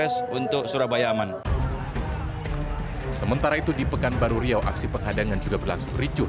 sementara itu di pekanbaru riau aksi penghadangan juga berlangsung ricuh